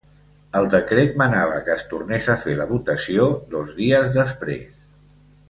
El decret manava que es tornés a fer la votació dos dies després.